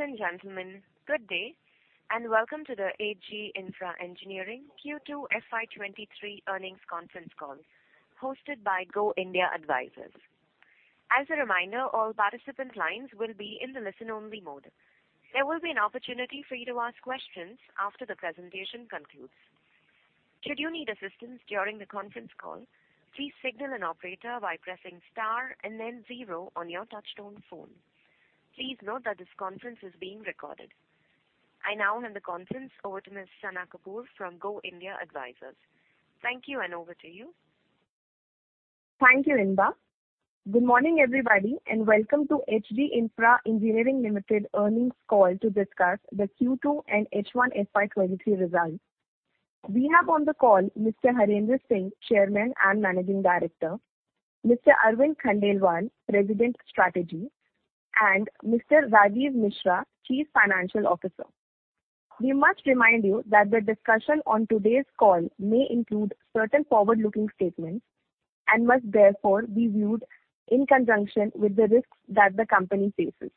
Ladies and gentlemen, good day, and welcome to the HG Infra Engineering Q2 FY 2023 Earnings Conference Call, hosted by Go India Advisors. As a reminder, all participant lines will be in the listen-only mode. There will be an opportunity for you to ask questions after the presentation concludes. Should you need assistance during the conference call, please signal an operator by pressing star and then zero on your touchtone phone. Please note that this conference is being recorded. I now hand the conference over to Ms. Sana Kapoor from Go India Advisors. Thank you, and over to you. Thank you, Limba. Good morning, everybody, and welcome to HG Infra Engineering Limited Earnings Call to discuss the Q2 and H1 FY23 results. We have on the call Mr. Harendra Singh, Chairman and Managing Director, Mr. Arvind Khandelwal, President, Strategy, and Mr. Rajiv Mishra, Chief Financial Officer. We must remind you that the discussion on today's call may include certain forward-looking statements, and must therefore be viewed in conjunction with the risks that the company faces.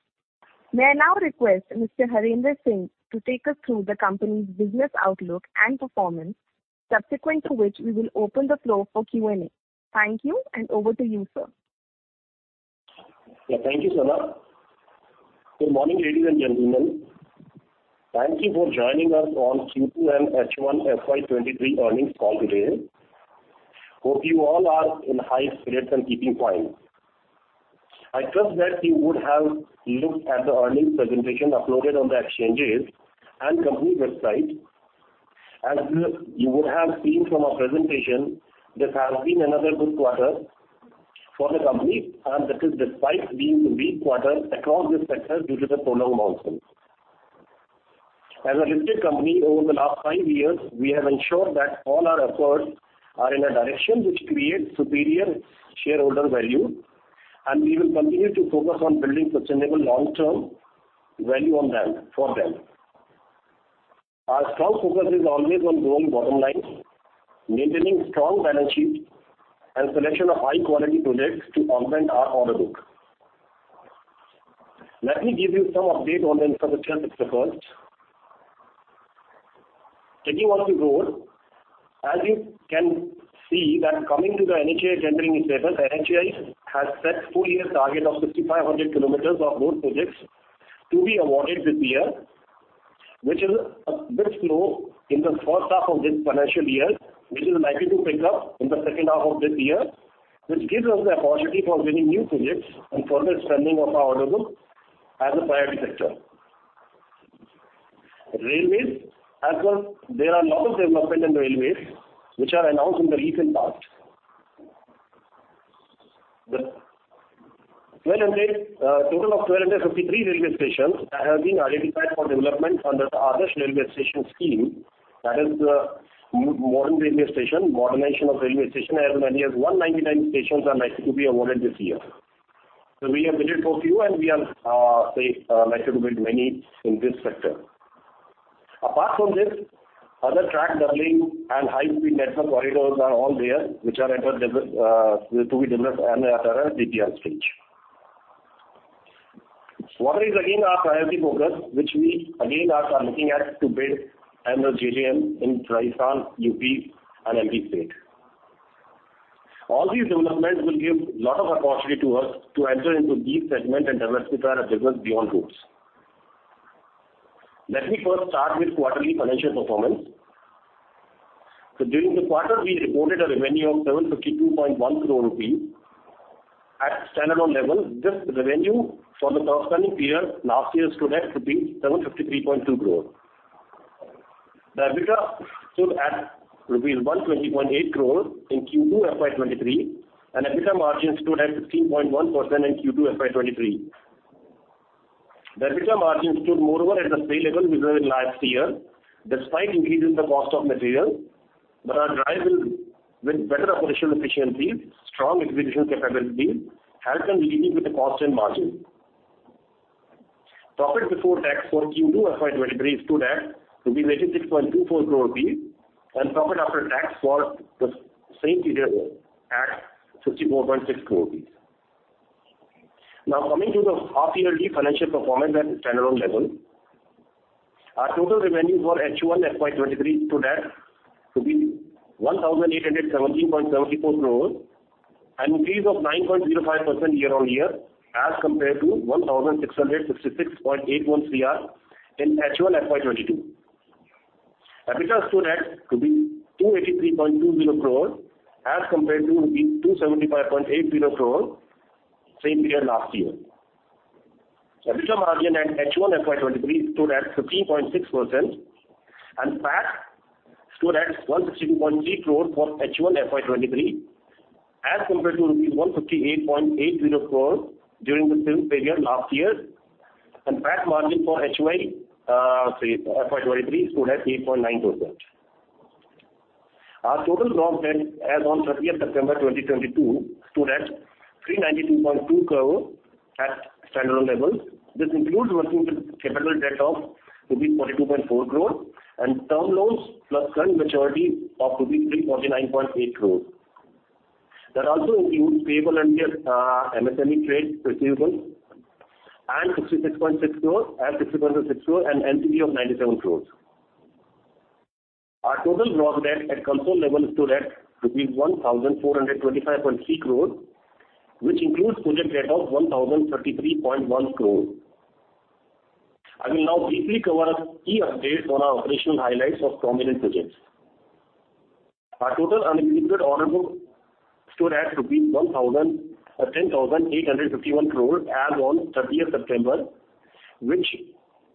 May I now request Mr. Harendra Singh to take us through the company's business outlook and performance, subsequent to which we will open the floor for Q&A. Thank you, and over to you, sir. Yeah. Thank you, Sana. Good morning, ladies and gentlemen. Thank you for joining us on Q2 and H1 FY 2023 earnings call today. Hope you all are in high spirits and keeping fine. I trust that you would have looked at the earnings presentation uploaded on the exchanges and company website. As you, you would have seen from our presentation, this has been another good quarter for the company, and that is despite being the weak quarter across this sector due to the prolonged monsoon. As a listed company, over the last five years, we have ensured that all our efforts are in a direction which creates superior shareholder value, and we will continue to focus on building sustainable long-term value on them—for them. Our strong focus is always on growing bottom line, maintaining strong balance sheet, and selection of high quality projects to augment our order book. Let me give you some update on the infrastructure sectors. Talking about the road, as you can see, coming to the NHAI tendering scenario, NHAI has set full year target of 5,500 km of road projects to be awarded this year, which is a bit slow in the first half of this financial year, which is likely to pick up in the second half of this year, which gives us the opportunity for winning new projects and further strengthening of our order book as a private sector. Railways, as well, there are notable developments in the railways, which are announced in the recent past. The 1,200, total of 1,253 railway stations that have been identified for development under the Adarsh Station Scheme, that is, the modern railway station, Modernization of Railway Station, as many as 199 stations are likely to be awarded this year. So we have bid for few, and we are, say, likely to bid many in this sector. Apart from this, other track doubling and high-speed network corridors are all there, which are under develop, to be developed and are at DRP stage. Water is again our priority focus, which we again are, are looking at to bid under JJM in Rajasthan, UP and MP States. All these developments will give lot of opportunity to us to enter into these segments and diversify our business beyond roads. Let me first start with quarterly financial performance. During the quarter, we reported a revenue of 752.1 crore rupees. At standalone level, this revenue from the corresponding period last year stood at rupees 753.2 crore. The EBITDA stood at rupees 120.8 crore in Q2 FY23, and EBITDA margin stood at 16.1% in Q2 FY23. The EBITDA margin stood moreover at the same level we were in last year, despite increase in the cost of material, but our drive with better operational efficiencies, strong execution capabilities, helped in dealing with the cost and margin. Profit before tax for Q2 FY23 stood at 66.24 crore, and profit after tax for the same period at 54.6 crore. Now, coming to the half yearly financial performance at standalone level, our total revenues for H1 FY 2023 stood at 1,817.74 crore, an increase of 9.05% year-on-year, as compared to 1,666.81 crore in H1 FY 2022. EBITDA stood at 283.20 crore, as compared to 275.80 crore, same period last year. EBITDA margin at H1 FY 2023 stood at 15.6%, and PAT stood at 162.3 crore for H1 FY 2023, as compared to rupees 158.80 crore during the same period last year, and PAT margin for HY, FY 2023 stood at 8.9%. Our total gross debt as on 30 September 2022 stood at 392.2 crore at standalone level. This includes working capital debt of rupees 42.4 crore, and term loans plus current maturity of rupees 349.8 crore. That also includes payables and MSME trade receivables, and INR 66.6 crore, and 66.6 crore, and NTP of 97 crore. Our total gross debt at consolidated level stood at 1,425.3 crore, which includes project debt of 1,033.1 crore. I will now briefly cover key updates on our operational highlights of prominent projects. Our total unexecuted order book stood at 10,851 crore as on thirtieth September, which,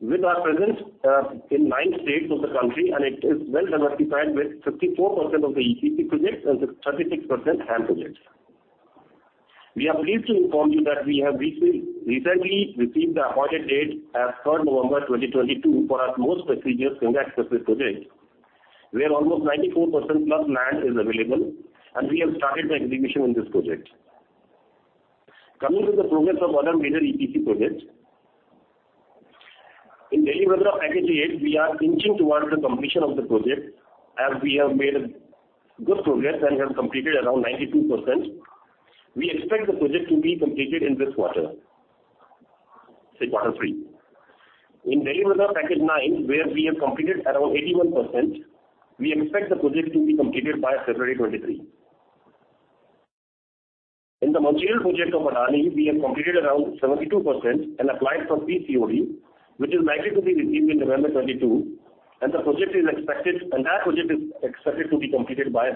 with our presence, in nine states of the country, and it is well diversified with 54% of the EPC projects and 36% HAM projects. We are pleased to inform you that we have recently received the appointed date as third November 2022, for our most prestigious Ganga Expressway project, where almost 94%+ land is available, and we have started the execution in this project. Coming to the progress of other major EPC projects, in Delhi-Vadodara Package 8, we are inching towards the completion of the project, as we have made good progress and have completed around 92%. We expect the project to be completed in this quarter, say quarter three. In Delhi-Vadodara Package 9, where we have completed around 81%, we expect the project to be completed by February 2023. In the material project of Adani, we have completed around 72% and applied for PCOD, which is likely to be received in November 2022, and the project is expected—entire project is expected to be completed by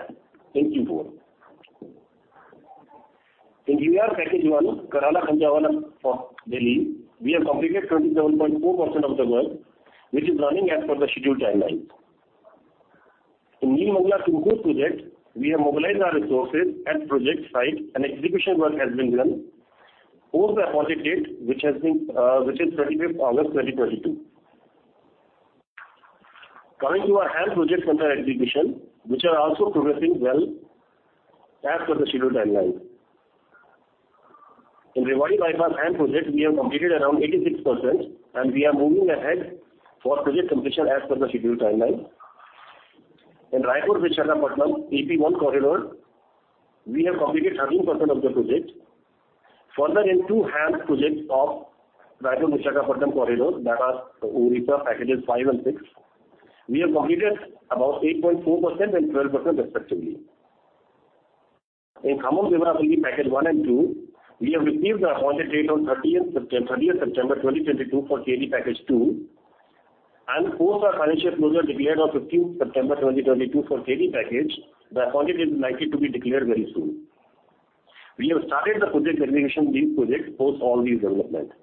Q4. In UER Package 1, Karala-Kanjhawala of Delhi, we have completed 27.4% of the work, which is running as per the scheduled timeline. In Nelamangala-Tumkur project, we have mobilized our resources at project site and execution work has been done. Post the appointed date, which has been, which is 25th August 2022. Coming to our HAM projects under execution, which are also progressing well as per the scheduled timeline. In Rewari Bypass HAM project, we have completed around 86%, and we are moving ahead for project completion as per the scheduled timeline. In Raipur-Visakhapatnam AP-1 corridor, we have completed 13% of the project. Further, in two HAM projects of Raipur-Visakhapatnam corridor, that are Orissa Packages 5 and 6, we have completed about 8.4% and 12%, respectively. In Khammam-Devarapalle Package 1 and 2, we have received the appointed date on thirtieth September 2022, for KD Package 2, and post our financial closure declared on fifteenth September 2022 for KD Package, the appointed is likely to be declared very soon. We have started the project execution, these projects, post all these developments.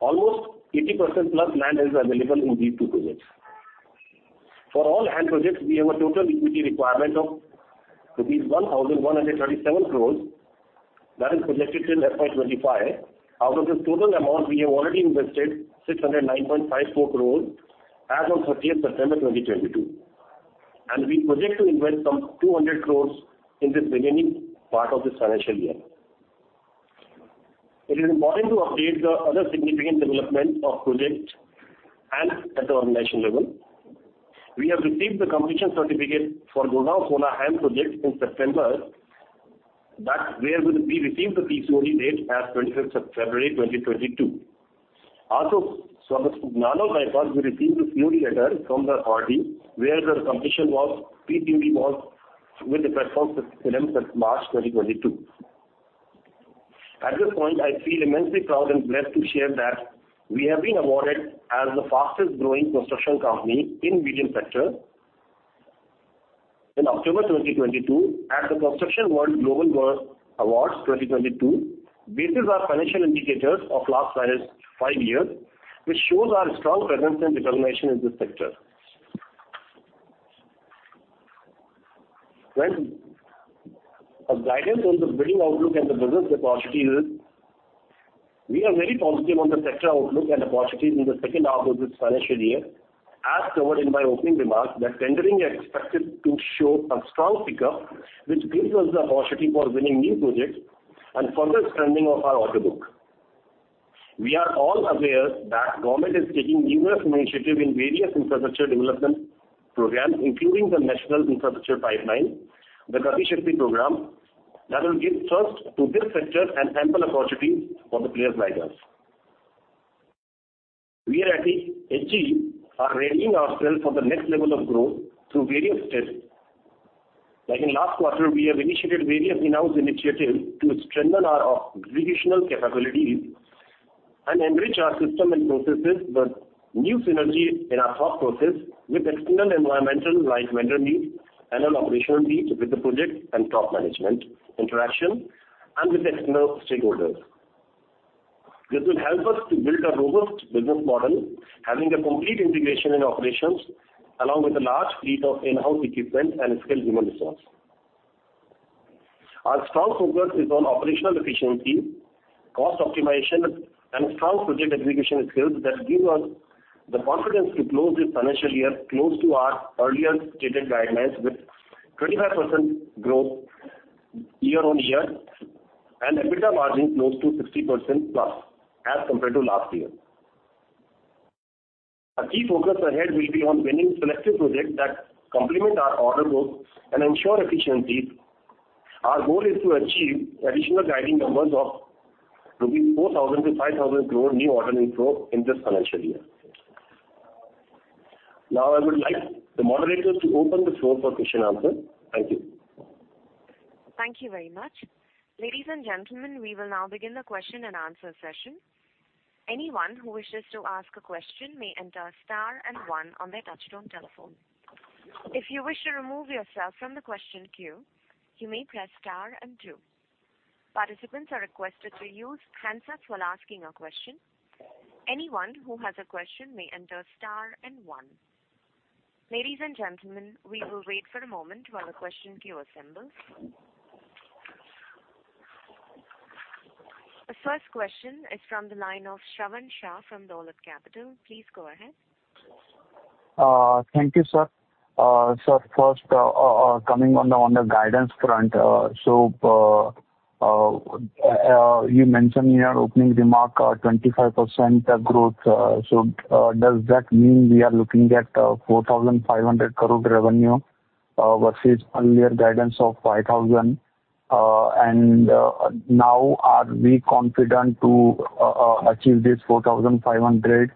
Almost 80%+ land is available in these two projects. For all HAM projects, we have a total equity requirement of rupees 1,137 crore. That is projected till FY 2025. Out of this total amount, we have already invested 609.54 crore as on 30th September 2022, and we project to invest some 200 crore in this beginning part of this financial year. It is important to update the other significant development of projects and at the organization level. We have received the completion certificate for Gurgaon-Sohna HAM project in September, that we are going to be received the PCOD date as 25th February 2022. Also, from the Narnaul Bypass, we received the clear letter from the party, where the completion was, PCOD was with the performance since March 2022. At this point, I feel immensely proud and blessed to share that we have been awarded as the fastest growing construction company in medium sector in October 2022, at the Construction World Global World Awards 2022, basis our financial indicators of last five, five years, which shows our strong presence and determination in this sector. Well, a guidance on the bidding outlook and the business opportunities, we are very positive on the sector outlook and opportunities in the second half of this financial year, as covered in my opening remarks, that tendering are expected to show a strong pickup, which gives us the opportunity for winning new projects and further strengthening of our order book. We are all aware that government is taking numerous initiatives in various infrastructure development programs, including the National Infrastructure Pipeline, the Pradhan Mantri program, that will give thrust to this sector and ample opportunities for the players like us. We at HG, are readying ourselves for the next level of growth through various steps. Like in last quarter, we have initiated various in-house initiatives to strengthen our operational capabilities and enrich our system and processes, with new synergy in our top process, with external environmental, like tender needs and operational needs, with the project and top management interaction, and with external stakeholders. This will help us to build a robust business model, having a complete integration in operations, along with a large fleet of in-house equipment and skilled human resource. Our strong focus is on operational efficiency, cost optimization, and strong project execution skills that give us the confidence to close this financial year, close to our earlier stated guidelines, with 25% growth year-on-year, and EBITDA margin close to 60%+, as compared to last year. Our key focus ahead will be on winning selective projects that complement our order book and ensure efficiency. Our goal is to achieve additional guiding numbers of 4,000 crore-5,000 crore new order inflow in this financial year. Now, I would like the moderators to open the floor for question-and-answer. Thank you. Thank you very much. Ladies and gentlemen, we will now begin the question-and-answer session. Anyone who wishes to ask a question may enter star and one on their touchtone telephone. If you wish to remove yourself from the question queue, you may press star and two. Participants are requested to use handsets while asking a question. Anyone who has a question may enter star and one. Ladies and gentlemen, we will wait for a moment while the question queue assembles. The first question is from the line of Shravan Shah from Dolat Capital. Please go ahead. Thank you, sir. Sir, first, coming on the guidance front. So, you mentioned in your opening remark, 25% of growth. So, does that mean we are looking at 4,500 crore revenue versus one year guidance of 5,000 crore? And now are we confident to achieve this 4,500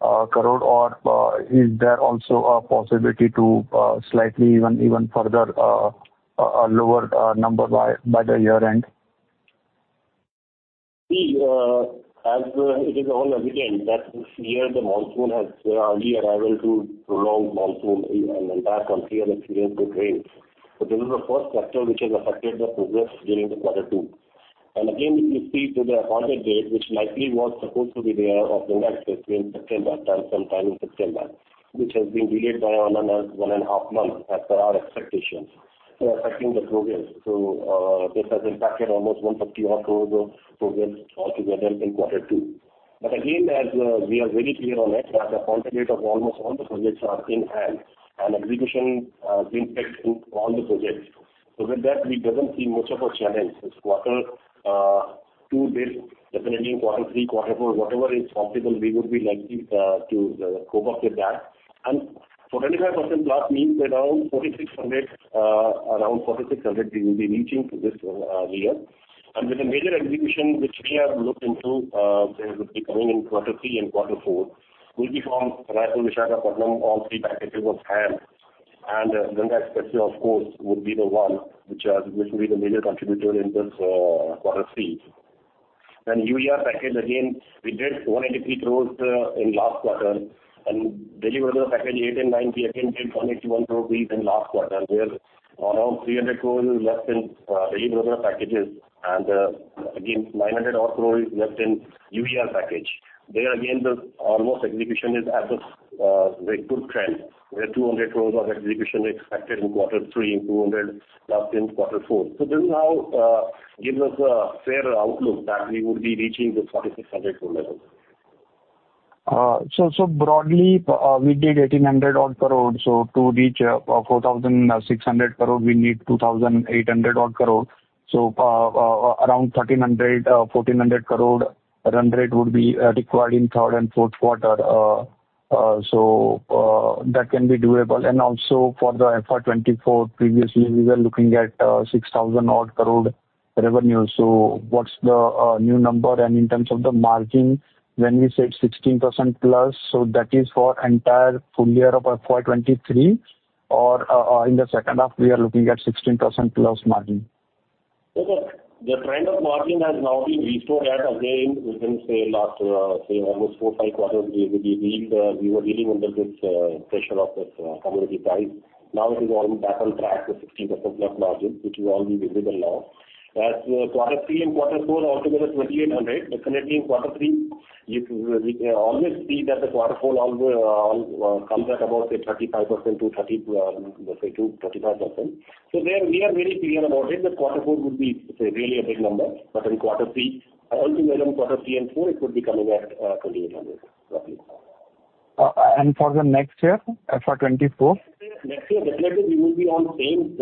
crore, or is there also a possibility to slightly even even further a lower number by the year-end? See, as it is all evident that this year the monsoon has early arrival to prolonged monsoon in the entire country and experienced good rains. This is the first factor which has affected the progress during quarter two. Again, if you see to the Appointed Date, which likely was supposed to be there of the next between September, sometime in September, which has been delayed by around one and a half months as per our expectations, affecting the progress. This has impacted almost 150 crore of projects all together in quarter two. Again, as we are very clear on it, the point of view of almost all the projects are in hand, and execution is in place in all the projects. So with that, we doesn't see much of a challenge this quarter, two bit, definitely in quarter three, quarter four, whatever is possible, we would be likely to cope up with that. And for 25%+ means around 4,600, around 4,600 we will be reaching to this year. And with a major execution, which we have looked into, say, would be coming in quarter three and quarter four, will be from Raipur Visakhapatnam, Khammam, all three packages of HAM. And Ganga Expressway, of course, would be the one which will be the major contributor in this quarter three. Then UER package again, we did 183 crore in last quarter, and Delhi package eight and nine, we again did 181 crore in last quarter, where around 300 crore is left in Delhi packages, and again, 900-odd crore is left in UER package. There again, the almost execution is at a very good trend, where 200 crore of execution is expected in quarter three and 200 left in quarter four. So this is how gives us a fair outlook that we would be reaching the 4,600 crore level. So broadly, we did 1,800-odd crore, so to reach 4,600 crore, we need 2,800-odd crore. So around 1,300 crore-1,400 crore run rate would be required in third and fourth quarter. So that can be doable. And also for the FY 2024, previously we were looking at 6,000-odd crore revenue. So what's the new number? And in terms of the margin, when we said 16%+, so that is for entire full year of FY 2023, or in the second half, we are looking at 16%+ margin? The trend of margin has now been restored, as again, within, say, last, say, almost four, five quarters, we were dealing under this pressure of this commodity price. Now it is all back on track to 16%+ margin, which will all be visible now. As quarter three and quarter four, all together 2,800, definitely in quarter three, if we can always see that the quarter four all comes at about, say, 35% to 30%, say, to 35%. So there we are very clear about it, that quarter four would be, say, really a big number. But in quarter three, all the way around quarter three and four, it would be coming at 2,800, roughly. For the next year, FY 2024? Next year, definitely we will be on same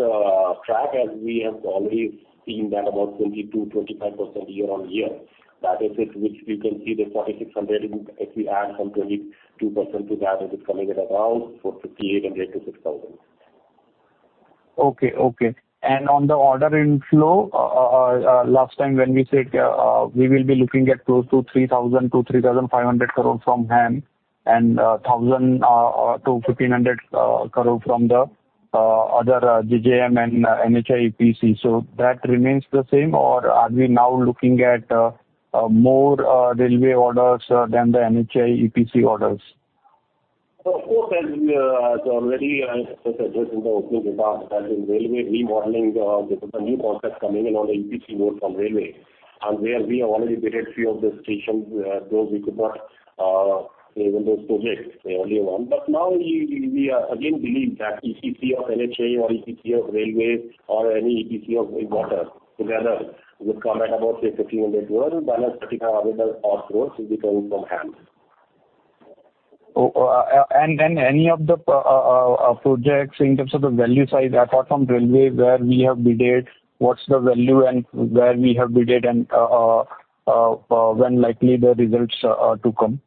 track as we have already seen that about 22%-25% year-on-year. That is it, which we can see the 4,600, if we add some 22% to that, it is coming at around 4,580 crore-6,000 crore. Okay, okay. On the order inflow, last time when we said, we will be looking at close to 3,000 crore-3,500 crore from HAM and 1,000 crore-1,500 crore from the other JJM and NHAI EPC. So that remains the same, or are we now looking at more railway orders than the NHAI EPC orders? Of course, as we as already as suggested in the opening remarks, as in railway remodeling, there is a new concept coming in on the EPC mode from railway. And where we have already bid few of the stations, though we could not win those projects the earlier one. But now we again believe that EPC of NHAI or EPC of railways or any EPC of water together would come at about, say, $1,500 minus 35 available odd growth will be coming from HAM. And any of the projects in terms of the value size, apart from railway, where we have bidded, what's the value and where we have bidded and when likely the results are to come?...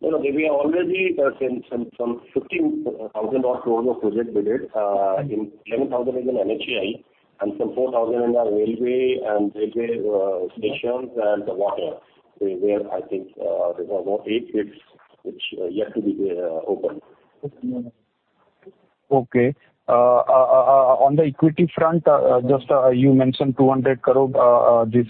No, no, we are already sent some INR 15,000-odd crore of projects bidded, in 10,000 crore in NHAI and some 4,000 crore in our railway and railway stations and the water. Where I think there are about 8 bids which are yet to be opened. Okay. On the equity front, just you mentioned 200 crore this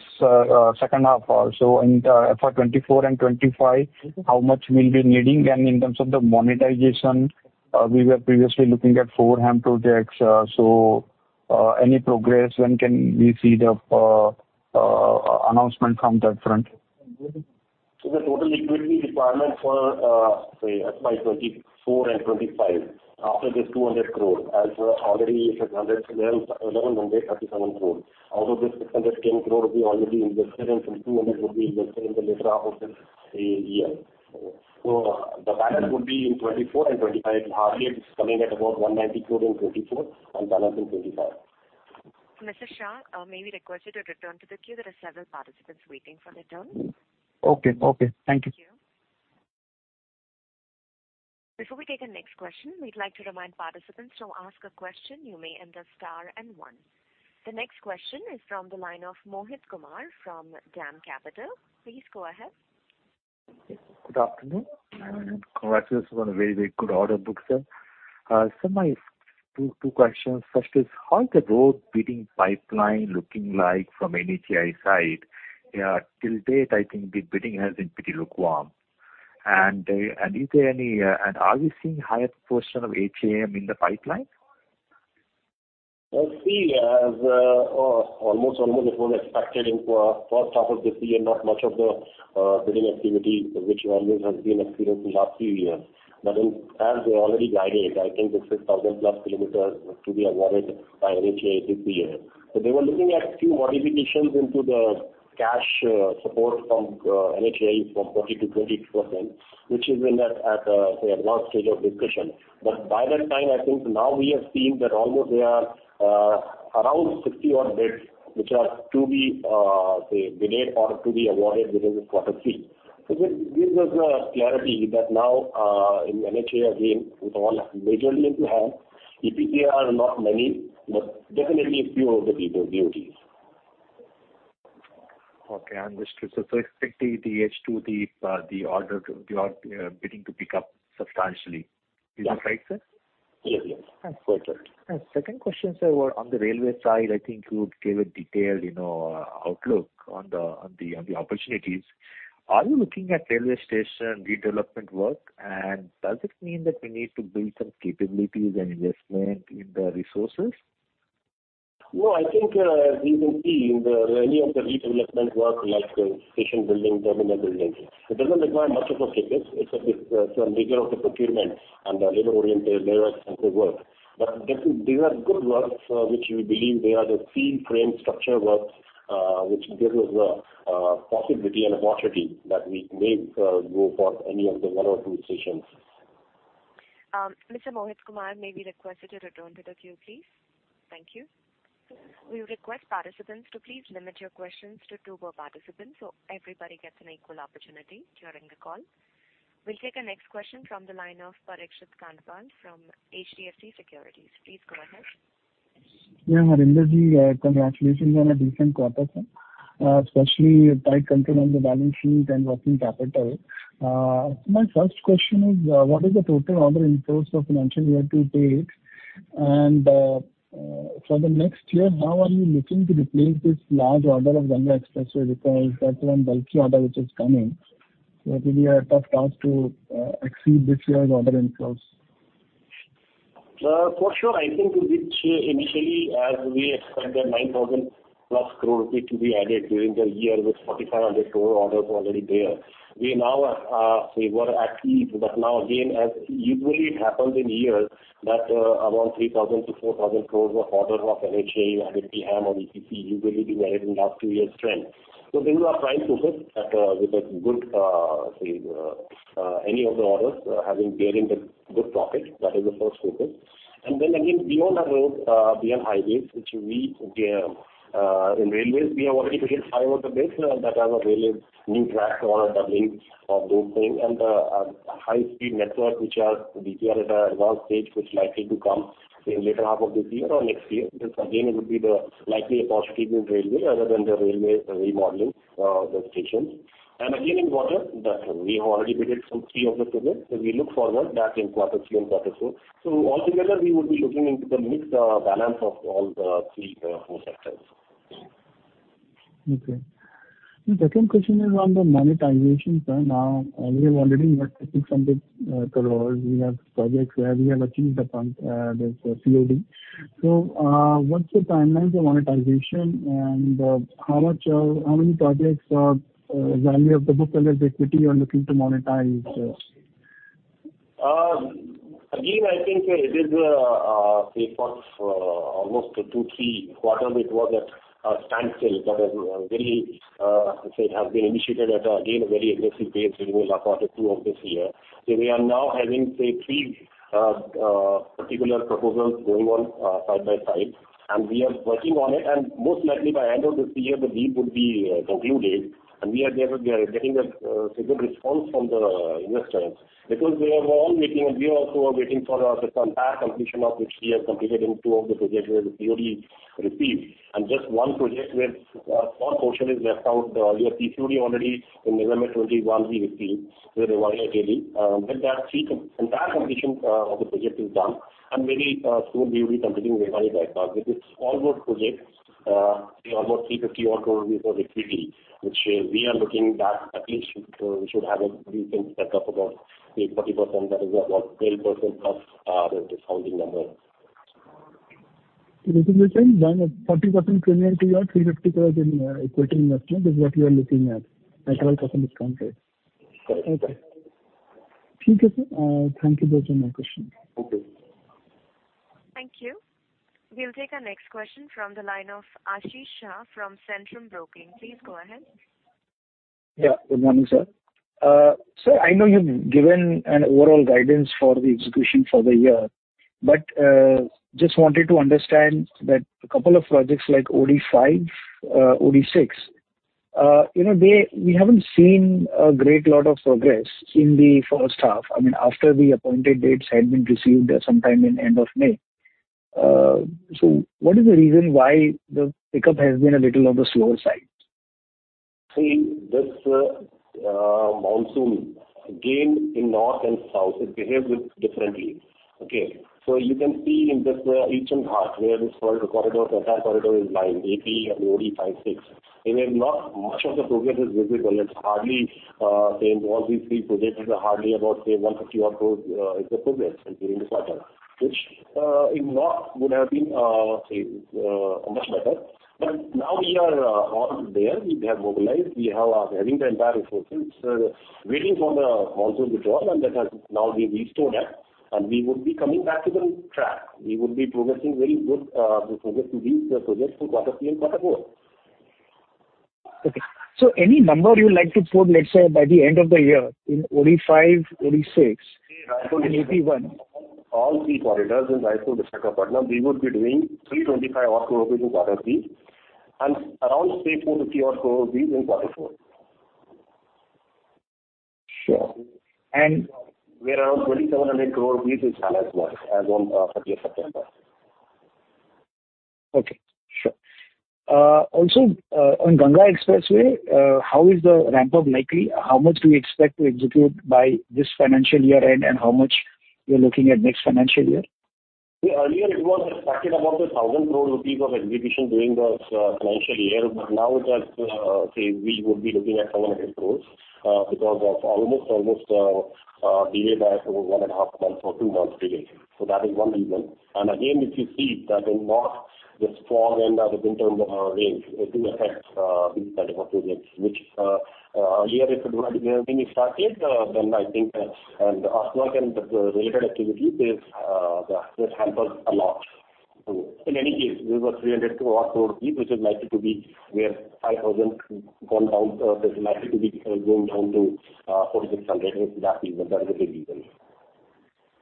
second half. So in for 2024 and 2025, how much will you be needing? And in terms of the monetization, we were previously looking at 4 HAM projects. So any progress? When can we see the announcement from that front? So the total liquidity requirement for, say, by 2024 and 2025, after this 200 crore, as per already 611 crore, 1,137 crore. Out of this, 610 crore will be already invested, and some 200 will be invested in the later half of this year. So the balance would be in 2024 and 2025. Hardly, it's coming at about 190 crore in 2024, and balance in 2025. Mr. Shah, may we request you to return to the queue? There are several participants waiting for their turn. Okay. Okay, thank you. Thank you. Before we take the next question, we'd like to remind participants to ask a question, you may enter star and one. The next question is from the line of Mohit Kumar from DAM Capital. Please go ahead. Good afternoon, and congratulations on a very, very good order book, sir. My two, two questions. First is, how is the road bidding pipeline looking like from NHAI side? Till date, I think the bidding has been pretty lukewarm. Is there any-- are you seeing higher portion of HAM in the pipeline? Well, see, as almost, almost it was expected in, first half of this year, not much of the bidding activity, which always has been experienced in last few years. As we already guided, I think it's 6,000+ km to be awarded by NHAI this year. They were looking at few modifications into the cash support from NHAI from 40% to 20%, which is in at, say, advanced stage of discussion. By that time, I think now we have seen that almost they are, around 60 odd bids, which are to be, say, delayed or to be awarded within this quarter three. This was a clarity that now, in NHAI again, with all majorly in hand, EPC are not many, but definitely a few of the big BOTs. Okay, I understand. So expect the H2, the order bidding to pick up substantially. Yeah. Is that right, sir? Yes, yes. Absolutely. And second question, sir, on the railway side, I think you would give a detailed, you know, outlook on the opportunities. Are you looking at railway station redevelopment work? And does it mean that you need to build some capabilities and investment in the resources? No, I think, as you can see in any of the redevelopment work, like station building, terminal building, it doesn't require much of a campus. It's a nature of the procurement and labor-oriented, labor-intensive work. But definitely, these are good works, which we believe they are the steel frame structure works, which give us the possibility and opportunity that we may go for any of the one or two stations. Mr. Mohit Kumar may be requested to return to the queue, please. Thank you. We request participants to please limit your questions to two per participant, so everybody gets an equal opportunity during the call. We'll take the next question from the line of Parikshit Kandpal from HDFC Securities. Please go ahead. Yeah, Harendra Singh, congratulations on a decent quarter, sir. My first question is, what is the total order in course of financial year 28? And, for the next year, how are you looking to replace this large order of Ganga Expressway? Because that's one bulky order which is coming. So it will be a tough task to exceed this year's order inflows. For sure. I think we reach initially, as we expect that 9,000+ crore rupees to be added during the year, with 4,500 crore orders already there. We now, say, we're at ease, but now again, as usually it happens in years, that, around 3,000 crore-4,000 crore of orders of NHAI, whether it be HAM or EPC, usually be added in last two years trend. So these are our prime focus, that, with a good, say, any of the orders, having bearing the good profit, that is the first focus. Then again, beyond the road, we have highways, which we, in railways, we are already pre-qualified the bids that have a railway new track or doubling of those thing, and, high-speed network, which are—DRP is at an advanced stage, which is likely to come in later half of this year or next year. This again, it would be the likely a positive in railway other than the railway remodeling, the stations. And again, in water, that we have already bidded some three of the projects, so we look forward that in quarter three and quarter four. So altogether, we would be looking into the mixed, balance of all the three, four sectors. Okay. The second question is on the monetization, sir. Now, we have already got 600 crore. We have projects where we have achieved the PCOD, the COD. So, what's the timeline for monetization, and, how much, how many projects, value of the book versus equity you are looking to monetize? Again, I think it is, say for, almost 2-3 quarters, it was at a standstill, but a very, say, it has been initiated at, again, a very aggressive pace in the quarter two of this year. So we are now having, say, 3 particular proposals going on, side by side, and we are working on it. And most likely by end of this year, the deal would be, concluded, and we are getting, we are getting a, good response from the investors, because we are all waiting, and we also are waiting for the entire completion of which we have completed in two of the projects where the PCOD received. And just one project where, small portion is left out, we have received already in November 2021, we received with Rewari-Ateli. With that, the entire completion of the project is done, and very soon we will be completing Rewari Bypass. With this all those projects, they are about 350 crore of equity, which we are looking that at least we should have a recent setup about, say, 40%, that is about 12% of the founding number. This is the same, then 40% premium to your 350 crore in equating investment is what you are looking at, at 12% discount rate? Correct. Okay. Thank you, sir. Thank you very much for my question. Okay. Thank you. We'll take our next question from the line of Ashish Shah from Centrum Broking. Please go ahead. Yeah, good morning, sir. Sir, I know you've given an overall guidance for the execution for the year, but just wanted to understand that a couple of projects like OD-5, OD-6, you know, they—we haven't seen a great lot of progress in the first half. I mean, after the appointed dates had been received sometime in end of May. So what is the reason why the pickup has been a little on the slower side? See, this monsoon, again, in north and south, it behaves differently. Okay, so you can see in this eastern part, where this corridor, the entire corridor is lying, AP and OD-5, 6. And if not, much of the progress is visible. It's hardly say all these three projects are hardly about say 150 or so is the progress during this quarter, which in north would have been say much better. But now we are all there. We have mobilized. We have having the entire resources waiting for the monsoon to draw, and that has now been restored up, and we would be coming back to the track. We would be progressing very good the project to these projects to quarter three and quarter four. Okay. So any number you would like to quote, let's say, by the end of the year in OD-5, OD-6, and AP-1? All three corridors in Raipur to Raipur-Visakhapatnam, we would be doing 325 crore rupees in quarter three, and around, say, 450 crore rupees in quarter four. Sure. And- We're around INR 2,700 crore in balance life as on thirtieth September. Okay, sure. Also, on Ganga Expressway, how is the ramp up likely? How much do we expect to execute by this financial year end, and how much you're looking at next financial year? Earlier, it was expected about INR 1,000 crore of execution during this financial year, but now that we would be looking at INR 700 crore because of almost, almost delay by over one and a half months or two months delay. That is one reason. Again, if you see that in north, this fog and the winter rains, it will affect these type of projects, which, earlier if it would have been started, then I think, and offwork and the related activities, this hampers a lot. In any case, we were INR 300 crore or so, which is likely to be where INR 5,000 crore gone down, this is likely to be going down to 4,600 crore. That is the big reason.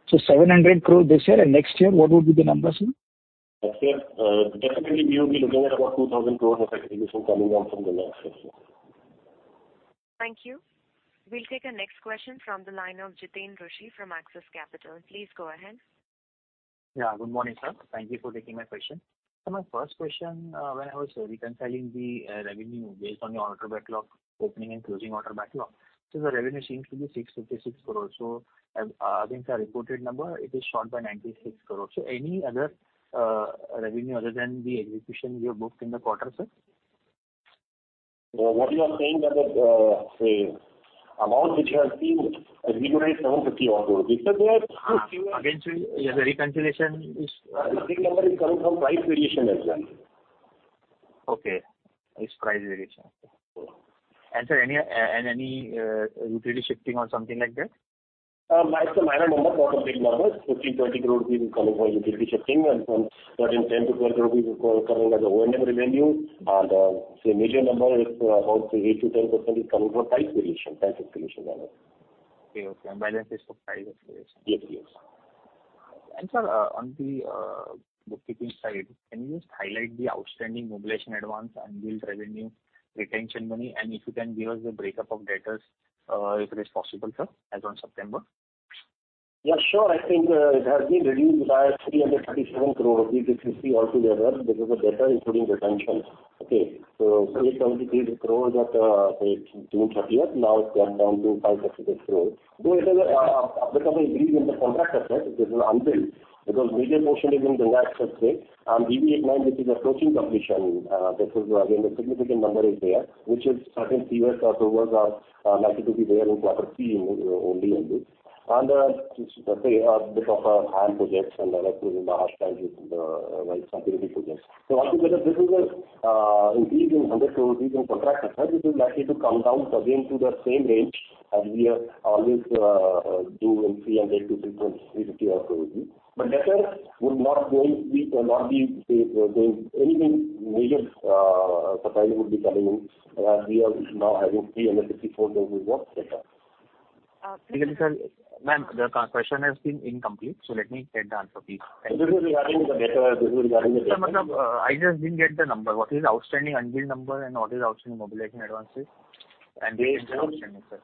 700 crore this year, and next year, what would be the numbers, sir? Next year, definitely, we will be looking at about 2,000 crore of execution coming down from the next year. Thank you. We'll take our next question from the line of Jiten Rushi from Axis Capital. Please go ahead. Yeah, good morning, sir. Thank you for taking my question. My first question, when I was reconciling the revenue based on your order backlog, opening and closing order backlog. The revenue seems to be 656 crores. As against our reported number, it is short by 96 crores. Any other revenue other than the execution you have booked in the quarter, sir? What you are saying that the, say, amount which has been recognized INR 750 or so, because there are- Again, sir, the reconciliation is- The number is coming from price variation as well. Okay, it's price variation. And sir, any and any utility shifting or something like that? It's a minor number, relatively numbers, INR 15 crore-INR 20 crore is coming from utility shifting and INR 10 crore-INR 12 crore is coming as a revenue. The major number is about 8%-10% is coming from price variation, price variation. Okay, okay. And balance is from price variation. Yes, yes. Sir, on the bookkeeping side, can you just highlight the outstanding mobilization advance, unbilled revenue, retention money, and if you can give us the breakup of debtors, if it is possible, sir, as on September? Yeah, sure. I think it has been reduced by 337 crore rupees, if you see all together, because the data including retention. Okay, so 373 crore at, say, June thirtieth, now it's come down to 568 crore. It is a bit of a decrease in the Contract Assets, it is unbilled, because major portion is in Ganga Expressway and BB89, which is approaching completion. This is again, a significant number is there, which is certain CCs or billings are likely to be there in quarter three only in this. A bit of HAM projects and other projects in the half time, while starting the projects. Altogether, this is an increase in 100 crore in Contract Assets, which is likely to come down again to the same range as we are always doing.... 300 crore-350 crore. Better would not be, say, there is anything major, surprise would be coming in. We are now having 354 billion watts better. Sir, ma'am, the question has been incomplete, so let me get the answer, please. This is regarding the better. I just didn't get the number. What is outstanding unbilled number and what is outstanding mobilization advances? And based on outstanding, sir.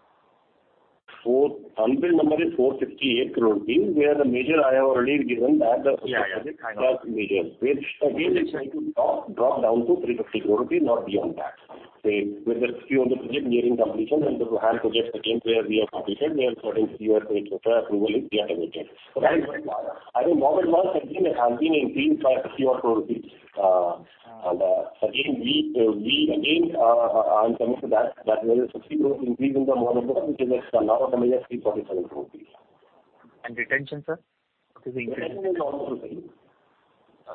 For unbilled number is 458 crore, where the major I have already given that the- Yeah, yeah, I know. Mobilization, which again, it's going to drop down to 350 crore rupees, not beyond that. Say, with a few of the projects nearing completion and the HAM projects again, where we have completed, we're certain a few are waiting for the approval, we are completed. I mean, more than once, again, it has been increased by 50-odd crore. And again, we again, I'm coming to that, that there is a 50 crore increase in the mobilization which is now coming at INR 347 crore. Retention, sir? Retention is also two.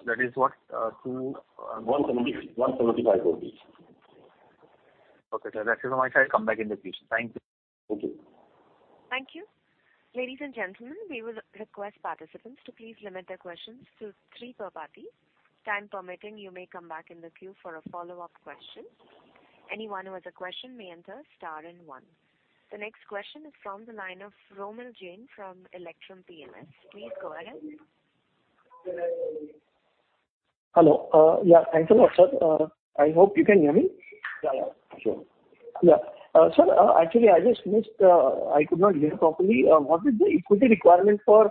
That is what? INR 170 crore-INR 175 crore. Okay, sir. That is all on my side. Come back in the future. Thank you. Thank you. Thank you. Ladies and gentlemen, we would request participants to please limit their questions to three per party. Time permitting, you may come back in the queue for a follow-up question. Anyone who has a question may enter star and one. The next question is from the line of Romil Jain from Electrum PMS. Please go ahead. Hello. Yeah, thanks a lot, sir. I hope you can hear me? Yeah, yeah, sure. Yeah. Sir, actually, I just missed. I could not hear properly. What is the equity requirement for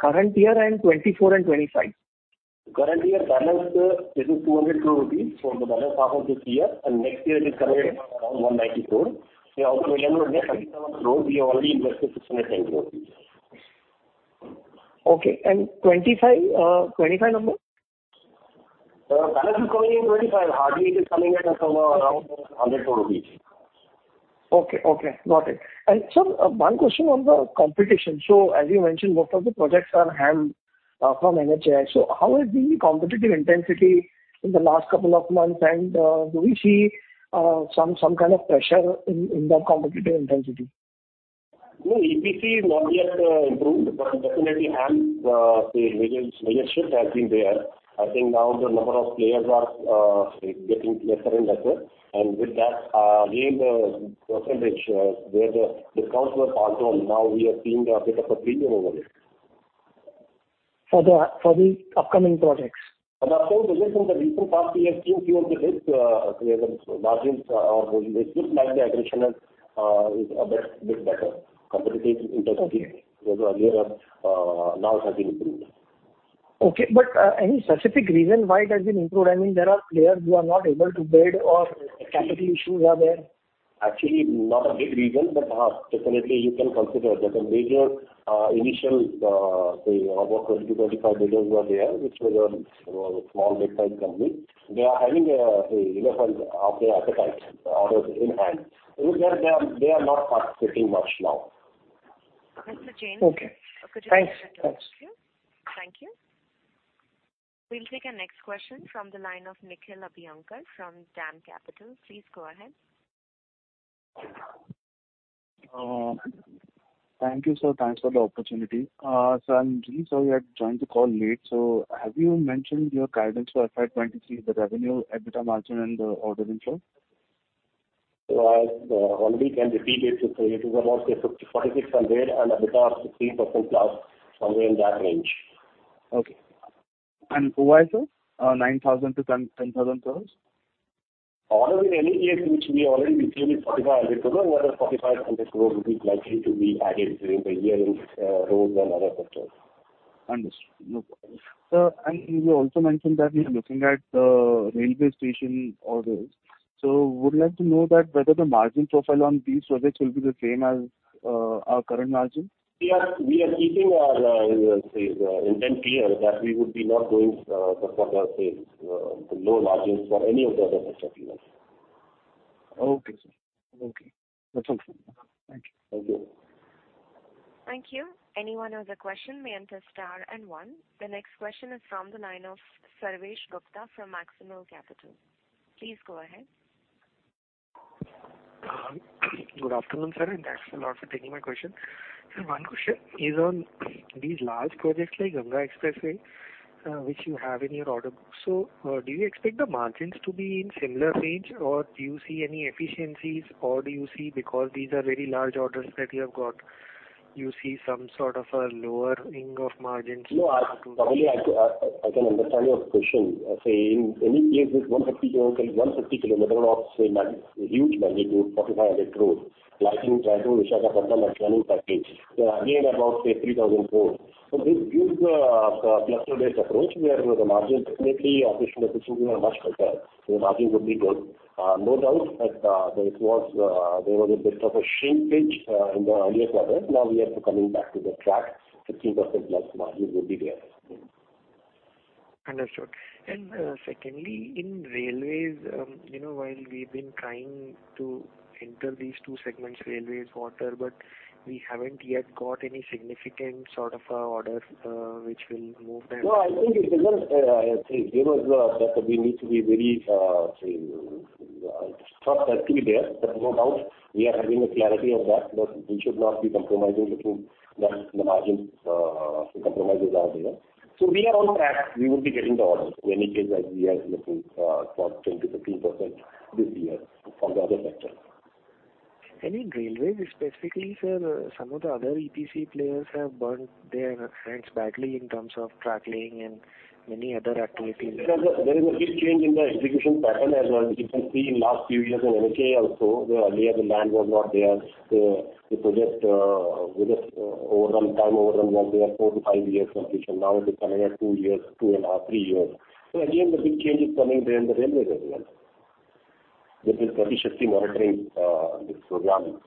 current year and 2024 and 2025? Current year balance is 200 crore rupees for the balance half of this year, and next year it is coming around 194 crore. We also, 1 million crore, we have already invested 610 crore. Okay. And 25, 25 number? Balance is coming in 2025, hardly it is coming at around INR 100 crore. Okay, okay. Got it. And sir, one question on the competition. So as you mentioned, most of the projects are HAM from NHAI. So how has been the competitive intensity in the last couple of months? And do we see some kind of pressure in the competitive intensity? No, EPC is not yet improved, but definitely, honestly, a major, major shift has been there. I think now the number of players are getting lesser and lesser, and with that, again, the percentage where the discounts were passed on, now we are seeing a bit of a premium over it. For the upcoming projects? For the upcoming projects, in the recent past, we have seen few of the bids, where the margins are looking this time, the aggregation is a bit better. Competitive intensity- Okay. -was earlier, now has been improved. Okay, but, any specific reason why it has been improved? I mean, there are players who are not able to bid or capital issues are there? Actually, not a big reason, but definitely you can consider that the major initial, say about 20-25 builders were there, which were small, mid-sized companies. They are having enough appetite, the orders in hand. They are not participating much now. Mr. Jain- Okay. Could you please... Thanks, thanks. Thank you. We'll take our next question from the line of Nikhil Abhyankar from DAM Capital. Please go ahead. Thank you, sir. Thanks for the opportunity. So I'm really sorry, I joined the call late. So have you mentioned your guidance for FY 2023, the revenue, EBITDA margin, and the order inflow? I only can repeat it. It is about, say, 46 somewhere, and EBITDA of 16%+, somewhere in that range. Okay. OY, sir, INR 9,000 crore-INR 10,000 crore? Order in any case, which we already received, is 4,500 crore, or 4,500 crore would be likely to be added during the year in roads and other sectors. Understood. No problem. Sir, and you also mentioned that you are looking at railway station orders. So would like to know that whether the margin profile on these projects will be the same as our current margin? We are keeping our intent clear that we would be not going the low margins for any of the other sectors, you know. Okay, sir. Okay, that's all. Thank you. Thank you. Thank you. Anyone who has a question may enter star and one. The next question is from the line of Sarvesh Gupta from Maximal Capital. Please go ahead. Good afternoon, sir, and thanks a lot for taking my question. Sir, one question is on these large projects like Ganga Expressway, which you have in your order book. So, do you expect the margins to be in similar range, or do you see any efficiencies, or do you see, because these are very large orders that you have got, you see some sort of a lowering of margins? No, I can understand your question. Say, in any case, this 150 km, 150 km of, say, mag- huge magnitude, 4,500 crores, like in Visakhapatnam and Chennai package, again, about, say, 3,000 crore. So this gives a cluster-based approach, where the margin definitely, additional efficiencies are much better, the margin would be good. No doubt that there was a bit of a shrinkage in the earlier quarters. Now, we are coming back to the track. 15%+ margin would be there. Understood. Secondly, in railways, you know, while we've been trying to enter these two segments, railways, water, but we haven't yet got any significant sort of orders, which will move them. No, I think it's a very thing. There is that we need to be very the trust has to be there, but no doubt, we are having the clarity of that, but we should not be compromising between that and the margins, compromises are there. So we are on track. We will be getting the orders when it is, as we are looking for 10%-15% this year from the other sector. Any railways, specifically, sir? Some of the other EPC players have burnt their hands badly in terms of track laying and many other activities. There is a big change in the execution pattern as well. You can see in last few years in NHAI also, where earlier the land was not there. The project with this overrun, time overrun was there, four-five years completion. Now, it is coming at two years, 2.5, three years. So again, the big change is coming there in the railway as well. This is continuously monitoring this program.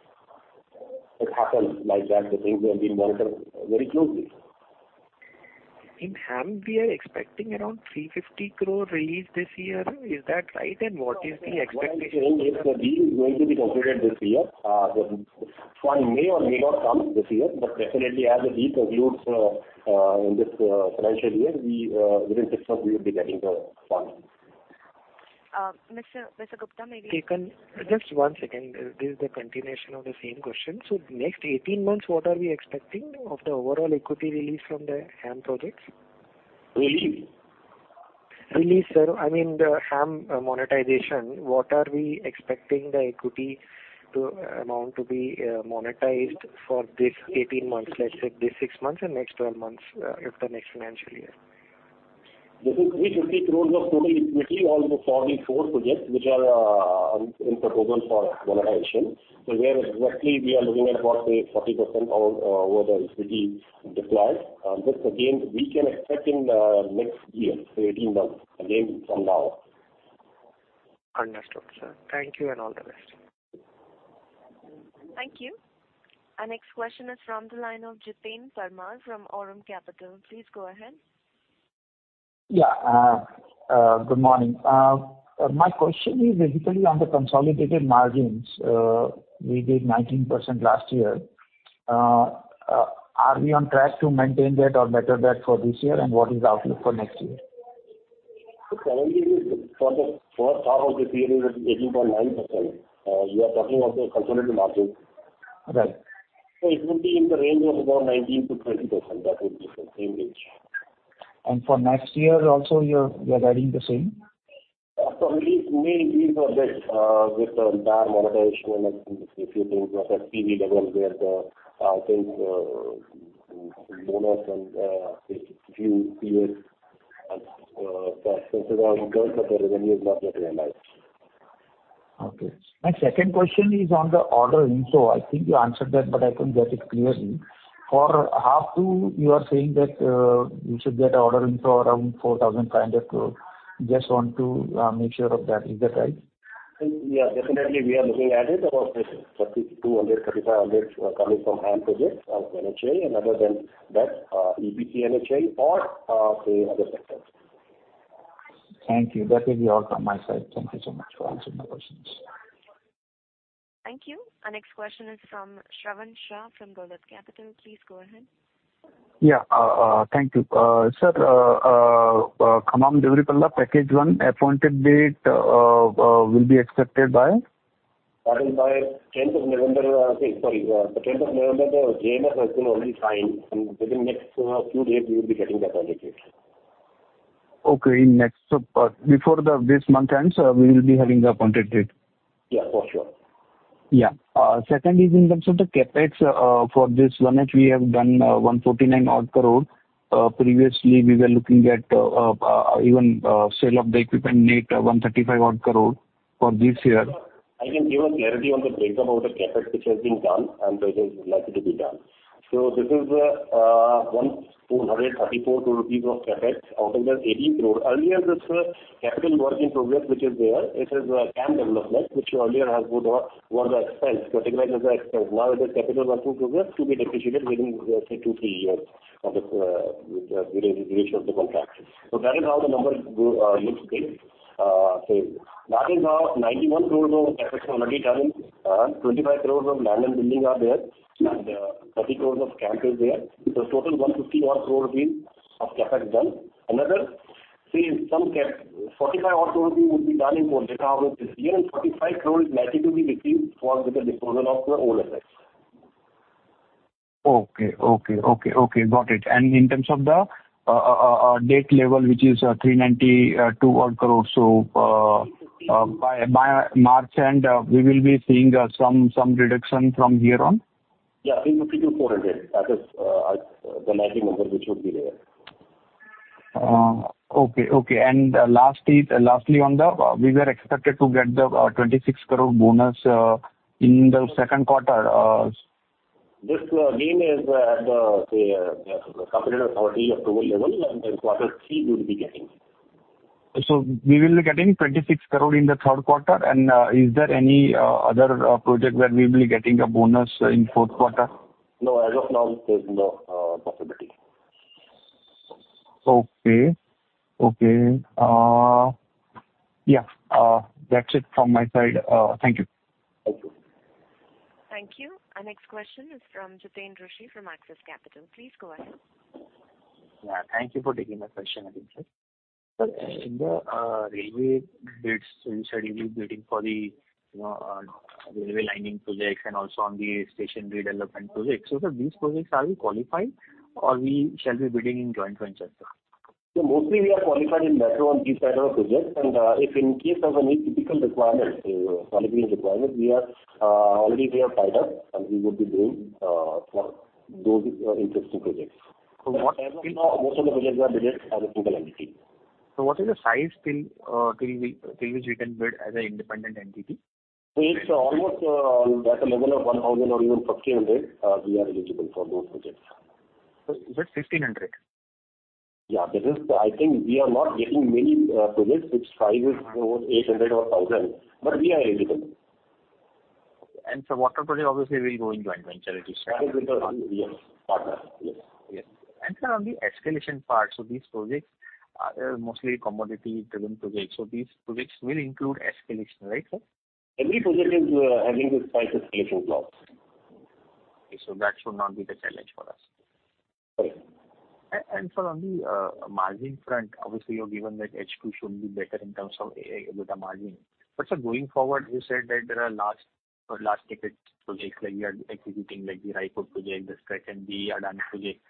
It happens like that, the things are being monitored very closely. In HAM, we are expecting around 350 crore release this year. Is that right? And what is the expectation? What I'm saying is, the deal is going to be completed this year. The fund may or may not come this year, but definitely as the deal concludes, in this financial year, we, within six months, we will be getting the funds. Mr. Gupta, maybe- Just one second. This is the continuation of the same question. So next 18 months, what are we expecting of the overall equity release from the HAM projects? Equity. Release, sir. I mean, the HAM monetization, what are we expecting the equity to, amount to be, monetized for this 18 months? Let's say this six months and next 12 months, if the next financial year. This is 350 crore of total equity on the 44 projects, which are in proposal for monetization. So there, exactly, we are looking at about, say, 40% of over the equity deployed. This again, we can expect in the next year, so 18 months, again, from now. Understood, sir. Thank you, and all the best. Thank you. Our next question is from the line of Jiten Parmar from Aurum Capital. Please go ahead. Yeah, good morning. My question is basically on the consolidated margins. We did 19% last year. Are we on track to maintain that or better that for this year? What is the outlook for next year? Currently, for the first half of the period is 18.9%. You are talking about the consolidated margins. Right. It would be in the range of about 19%-20%. That would be the same range. For next year also, you are guiding the same? For me, these are this, with the HAM monetization and a few things that are PV level, where the, things, bonus and, few years, costs involved in terms of the revenue is not yet realized. Okay. My second question is on the order inflow. I think you answered that, but I couldn't get it clearly. For half two, you are saying that you should get order inflow around 4,500 crore. Just want to make sure of that. Is that right? Yeah, definitely, we are looking at it, about this 3,200 crore-3,500 crore are coming from HAM projects of NHAI, and other than that, EPC NHAI or, the other sectors. Thank you. That will be all from my side. Thank you so much for answering my questions. Thank you. Our next question is from Shravan Shah from Dolat Capital. Please go ahead. Yeah, thank you. Sir, Khammam-Devarapalle Package One, Appointed Date, will be accepted by? That is by tenth of November, sorry, the tenth of November, the HMS has been already signed, and within next few days, we will be getting the Appointed Date. Okay, next, so, before this month ends, we will be having the Appointed Date. Yeah, for sure. Yeah. Second is in terms of the CapEx, for this one, which we have done, 149-odd crore. Previously, we were looking at, even, sale of the equipment, net, 135-odd crore for this year. I can give a clarity on the breakdown of the CapEx, which has been done and which is likely to be done. So this is 134 total rupees of CapEx, out of that, 80 crore. Earlier, this capital work in progress, which is there, it is a camp development, which earlier has put on, was the expense, categorized as the expense. Now, it is capital work in progress to be depreciated within, say, two-three years of the, with the duration of the contract. So that is how the number go looks big. So that is how 91 crores of CapEx already done, 25 crore of land and building are there, and 30 crore of camp is there. So total 150-odd crore of CapEx done. Another, say, some CapEx--INR 45 crore will be done in second half this year, and 45 crore is likely to be received for with the disposal of the old assets. Okay, okay, okay, okay, got it. And in terms of the debt level, which is 392-odd crore, so- Three fifty. By March end, we will be seeing some reduction from here on? Yeah, 350-400. That is the likely number which would be there. Okay, okay. And lastly, on the, we were expected to get the 26 crore bonus in the second quarter. This again is the completed as of October level, and in quarter three, we will be getting. So we will be getting 26 crore in the third quarter? And, is there any other project where we will be getting a bonus in fourth quarter? No, as of now, there's no possibility. Okay. Okay, yeah, that's it from my side. Thank you. Thank you. ...Thank you. Our next question is from Jiten Rushi from Axis Capital. Please go ahead. Yeah, thank you for taking my question, Aditi. Sir, in the railway bids, you said you'll be bidding for the railway lining projects and also on the station redevelopment projects. So sir, these projects, are we qualified or we shall be bidding in joint venture, sir? So mostly, we are qualified in metro and these kind of projects, and if in case of any typical requirements, qualifying requirements, we are already we are tied up, and we would be doing for those interesting projects. So what- Most of the projects are bid as a single entity. So what is the size till which we can bid as an independent entity? It's almost at the level of 1,000 or even 1,500. We are eligible for those projects. Sir, but 1,500 crore? Yeah, because I think we are not getting many projects which size is over 800 or 1,000, but we are eligible. What project, obviously, we go into joint venture with? Yes, partner. Yes. Yes. Sir, on the escalation part, so these projects are mostly commodity-driven projects, so these projects will include escalation, right, sir? Every project is having this price escalation clause. That should not be the challenge for us. Correct. Sir, on the margin front, obviously, you've given that H2 should be better in terms of EBITDA margin. But sir, going forward, you said that there are large-large ticket projects that we are executing, like the Raipur project, the stretch and the Adani project.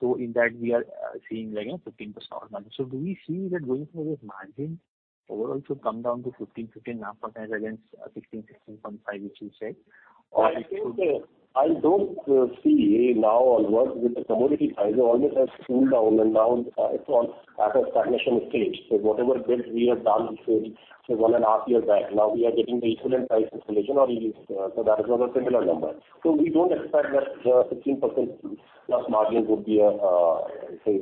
So in that, we are seeing like a 15% margin. So do we see that going forward, margin overall should come down to 15%, 15.5% against 16%, 16.5%, which you said? Or- I don't see now or what with the commodity prices almost has cooled down, and now it's on at a stagnation stage. So whatever bids we have done, say 1.5 years back, now we are getting the equivalent price installation or ease, so that is another similar number. So we don't expect that 16%+ margin would be a say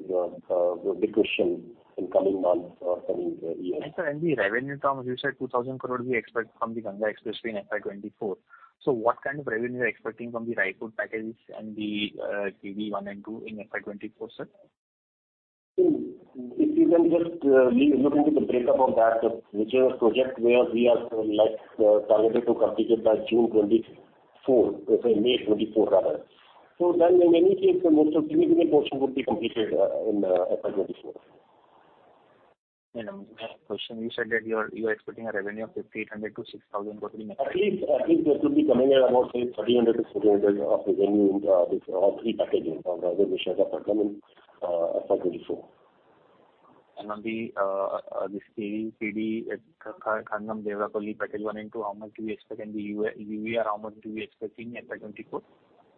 negotiation in coming months or coming years. Sir, in the revenue term, you said INR 2,000 crore we expect from the Ganga Expressway in FY 2024. So what kind of revenue are you expecting from the Raipur packages and the AP-1 and 2 in FY 2024, sir? If you can just, look into the break up of that, whichever project where we are, like, targeted to complete it by June 2024, say May 2024, rather. So then when we see it, the most significant portion would be completed, in, FY 2024. Question, you said that you are expecting a revenue of 5,800 crore-6,000 crore in- At least, at least there could be coming at about, say, 3,000 crore-4,000 crore of revenue in this all three packages or rather, which are upcoming, in FY 2024. On the KD, KD, Khammam-Devarapalle package one and two, how much do we expect in the UER, how much do we expect in FY 2024? Sir, so let me get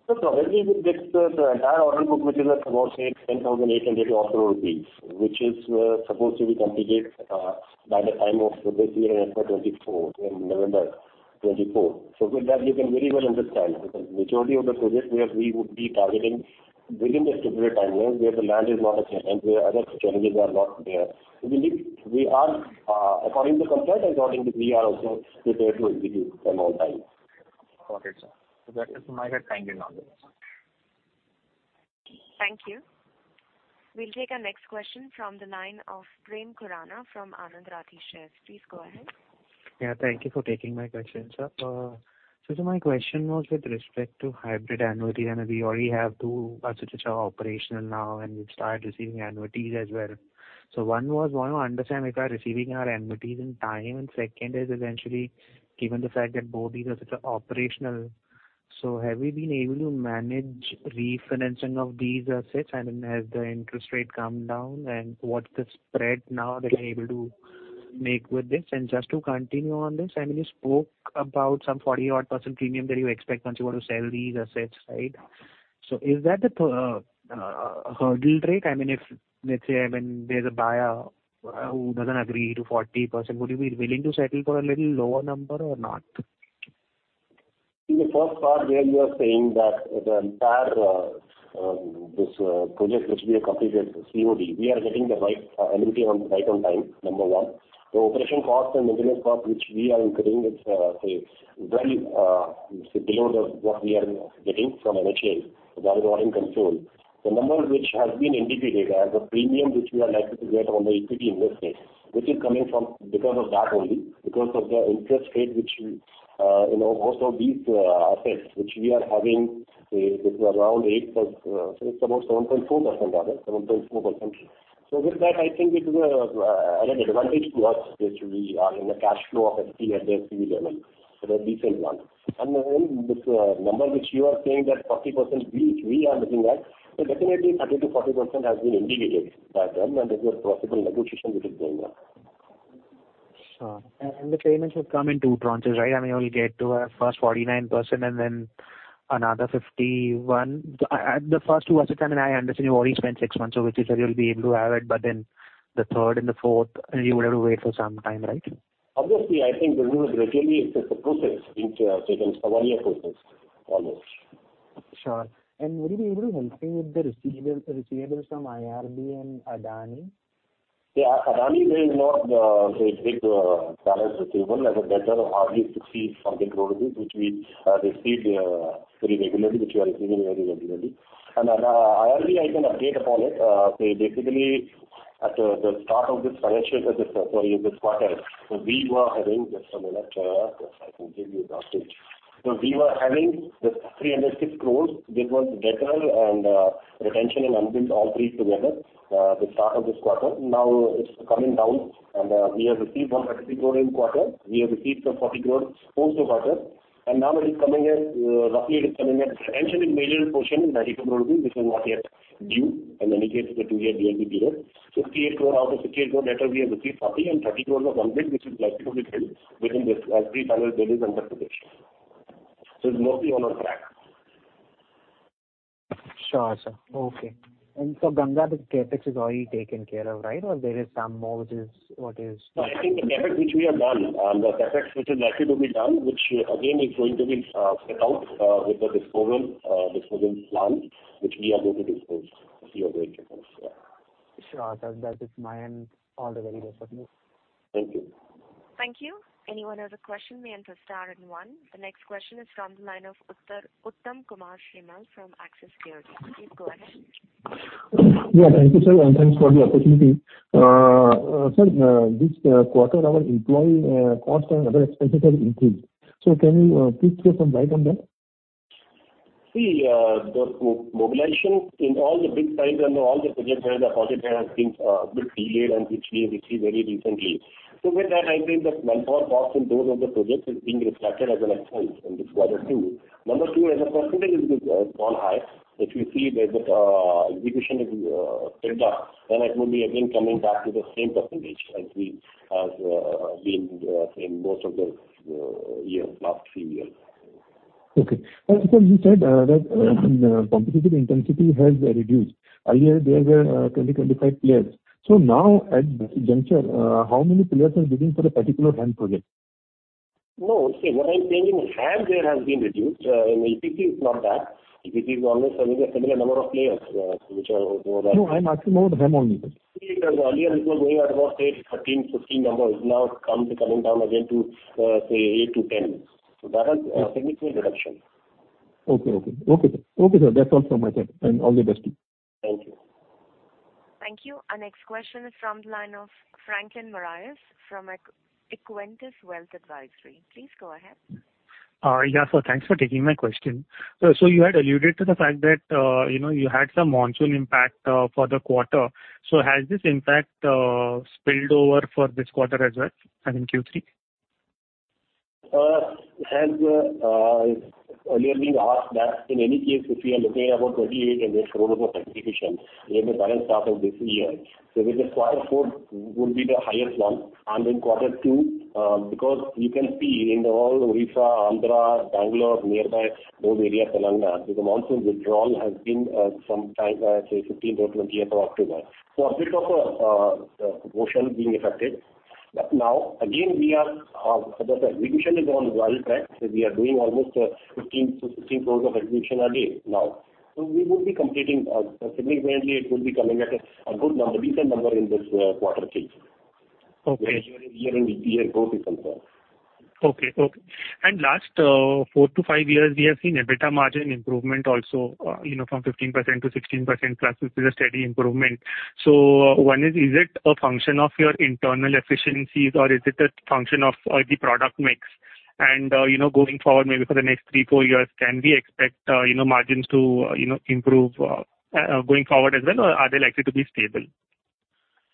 the entire order book, which is at about, say, INR 10,800 crore, which is supposed to be completed by the time of this year, in FY 2024, in November 2024. So with that, you can very well understand because majority of the projects where we would be targeting within the stipulated timeline, where the land is not a challenge and where other challenges are not there. We are, according to the contract and according to we are also prepared to execute them on time. Got it, sir. So that is my kind of knowledge. Thank you. We'll take our next question from the line of Prem Khurana from Anand Rathi Shares. Please go ahead. Yeah, thank you for taking my question, sir. So sir, my question was with respect to hybrid annuities, and we already have two assets which are operational now, and we've started receiving annuities as well. So one was, want to understand if we are receiving our annuities in time, and second is eventually, given the fact that both these are such operational, so have we been able to manage refinancing of these assets? I mean, has the interest rate come down, and what's the spread now that we're able to make with this? And just to continue on this, I mean, you spoke about some 40-odd% premium that you expect once you want to sell these assets, right? So is that the, hurdle rate? I mean, if, let's say, I mean, there's a buyer who doesn't agree to 40%, would you be willing to settle for a little lower number or not? In the first part, where you are saying that the entire, this, project which we have completed, COD, we are getting the right annuity on, right on time, number one. The operation cost and maintenance cost, which we are incurring, it's, say, well, below the what we are getting from NHAI. So that is all in control. The number which has been indicated as a premium which we are likely to get on the equity investment, which is coming from because of that only, because of the interest rate, which, you know, most of these, assets which we are having, say, it's around 8%, it's about 7.4%, rather, 7.4%. So with that, I think it is a, an advantage to us, which we are in the cash flow of equity at the PD level. So a decent one. And then, this number which you are saying that 40%, we, we are looking at, so definitely 30%-40% has been indicated by them, and there's a possible negotiation which is going on. Sure. The payments will come in two tranches, right? I mean, we'll get to first 49% and then another 51%. The first two assets, and I understand you already spent six months, so which is that you'll be able to have it, but then the third and the fourth, you will have to wait for some time, right? Obviously, I think the review is regularly. It's a process which, say, it's a one-year process, almost. Sure. And would you be able to help me with the receivable, receivables from IRB and Adani? Yeah, Adani, there is not a big balance receivable as a matter of hardly INR 60-something crore, which we received very regularly, which you are seeing very regularly. I can update upon it, so basically, at the start of this financial, this quarter, so we were having, just a minute, I can give you the update. So we were having this 306 crore. This was billed and retention and unbilled, all three together, the start of this quarter. Now it's coming down, and we have received 130 crore in quarter. We have received the 40 crore post the quarter, and now it is coming at, roughly it is coming at retention in major portion, INR 90 crore, this is what we are due, in any case, the two-year DLP period. 68 crore out of 68 crore, later we have received 40 crore and 30 crore was unbilled, which is likely to be billed within this, as the balance there is under production. So it's mostly on track. Sure, sir. Okay. So Ganga, the CapEx is already taken care of, right? Or there is some more which is, what is- I think the CapEx which we have done, and the CapEx which is likely to be done, which again, is going to be, set out, with the disposal, disposal plan, which we are going to dispose. We are going to dispose, yeah. Sure. That is my end. All the very best of you. Thank you. Thank you. Anyone has a question may enter star and 1. The next question is from the line of Uttam Kumar Srimal from Axis Securities. Please go ahead. Yeah, thank you, sir, and thanks for the opportunity. Sir, this quarter, our employee costs and other expenses have increased. So can you please give some light on that? See, the mobilization in all the big sites and all the projects where the project has been bit delayed and which we received very recently. So with that, I think the manpower costs in those of the projects is being reflected as an expense in this quarter two. Number two, as a percentage, it is gone high. If you see the execution is picked up, then it will be again coming back to the same percentage as we have been in most of the years, last three years. Okay. And sir, you said that competitive intensity has reduced. Earlier, there were 20-25 players. So now, at this juncture, how many players are bidding for a particular HAM project? No, see, what I'm saying is HAM, there has been reduced, in EPC, it's not that. EPC is always having a similar number of players, which are more or less- No, I'm asking about HAM only. Earlier, it was going at about, say, 13-15 numbers. Now, it's come to coming down again to, say, eight-10. So that is a significant reduction. Okay, okay. Okay, sir. Okay, sir, that's all from my side, and all the best to you. Thank you. Thank you. Our next question is from the line of Franklin Moraes from Equentis Wealth Advisory. Please go ahead. Yeah, sir. Thanks for taking my question. So, so you had alluded to the fact that, you know, you had some monsoon impact for the quarter. So has this impact spilled over for this quarter as well, I think Q3? As earlier being asked, in any case, if we are looking at about 28 billion of execution in the current start of this year, this quarter four would be the highest one, and in quarter two, because you can see in all Odisha, Andhra, Bangalore, nearby those areas, Telangana, the monsoon withdrawal has been sometime, say, 15th to 20th of October. A bit of portion being affected. Now, again, the execution is on the right track. We are doing almost 15 crore-16 crore of execution a day now. We would be completing, significantly, it would be coming at a good number, decent number in this quarter three. Okay. Where year-on-year growth is concerned. Okay, okay. And last four-five years, we have seen EBITDA margin improvement also, you know, from 15%-16%+, which is a steady improvement. So one, is it a function of your internal efficiencies, or is it a function of the product mix? And you know, going forward, maybe for the next three-four years, can we expect you know, margins to you know, improve going forward as well, or are they likely to be stable?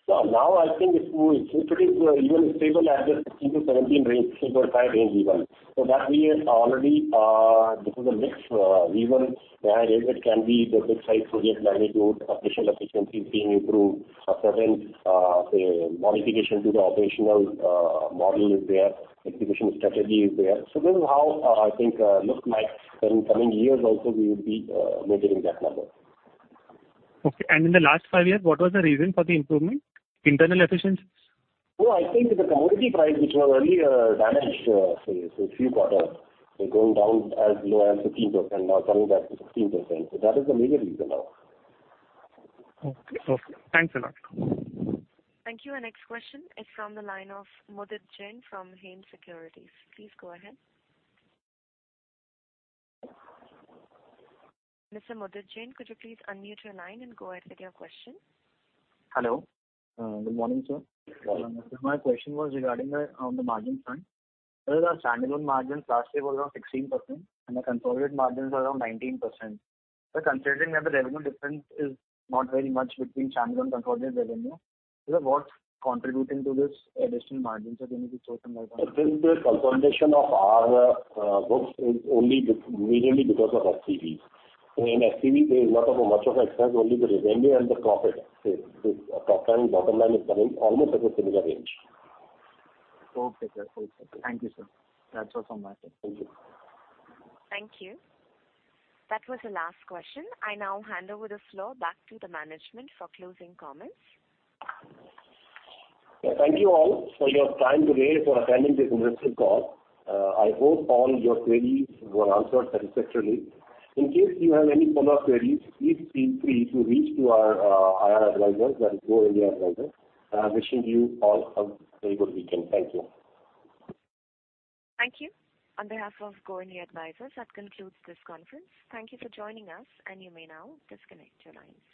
So now I think it will be even stable at the 15%-17% range even. So that we are already, because of mix, even where it can be the big site project magnitude, operational efficiency is being improved, a certain, say, modification to the operational, model is there, execution strategy is there. So this is how, I think, looks like in coming years also we will be, maintaining that number. Okay. And in the last five years, what was the reason for the improvement? Internal efficiencies? No, I think it's the commodity price, which was very, damaged, say, say few quarters. They're going down as low as 15%, now coming back to 16%. So that is the major reason now. Okay. Okay, thanks a lot. Thank you. Our next question is from the line of Mudit Jain from Hem Securities. Please go ahead. Mr. Mudit Jain, could you please unmute your line and go ahead with your question? Hello. Good morning, sir. Good morning. My question was regarding the, on the margin front. Sir, the standalone margin last year was around 16%, and the consolidated margins were around 19%. But considering that the revenue difference is not very much between standalone consolidated revenue, sir, what's contributing to this additional margins that you need to focus on that one? I think the consolidation of our books is only immediately because of SPV. In SPV, there is not a much of a difference, only the revenue and the profit. The top line, bottom line is coming almost at a similar range. Okay, sir. Thank you, sir. That's all from my side. Thank you. Thank you. That was the last question. I now hand over the floor back to the management for closing comments. Yeah, thank you all for your time today for attending this investor call. I hope all your queries were answered satisfactorily. In case you have any follow-up queries, please feel free to reach to our, our advisors, that is, Go India Advisors. I'm wishing you all a very good weekend. Thank you. Thank you. On behalf of Go India Advisors, that concludes this conference. Thank you for joining us, and you may now disconnect your lines.